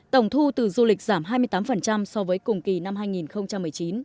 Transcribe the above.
tổng thu từ du lịch giảm hai mươi tám so với cùng kỳ năm hai nghìn một mươi chín